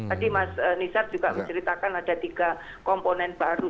tadi mas nizar juga menceritakan ada tiga komponen baru